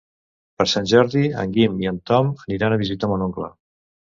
Per Sant Jordi en Guim i en Tom aniran a visitar mon oncle.